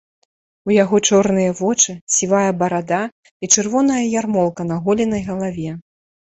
У яго чорныя вочы, сівая барада і чырвоная ярмолка на голенай галаве.